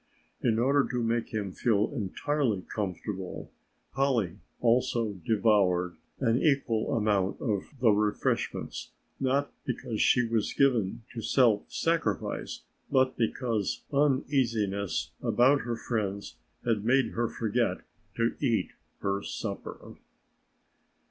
In order to make him feel entirely comfortable Polly also devoured an equal amount of the refreshments, not because she was given to self sacrifice but because uneasiness about her friends had made her forget to eat her supper.